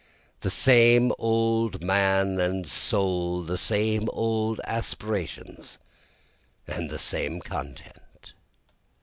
The same old man and soul the same old aspirations, and the same content.